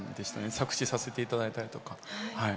作詞させていただいたりとか。